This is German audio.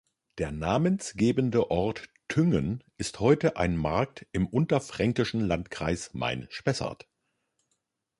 Der namensgebende Ort Thüngen ist heute ein Markt im unterfränkischen Landkreis Main-Spessart.